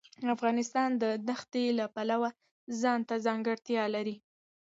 افغانستان د دښتې د پلوه ځانته ځانګړتیا لري.